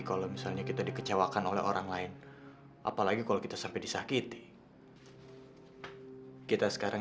kalau misalnya kita dikecewakan oleh orang lain apalagi kalau kita sampai disakiti kita sekarang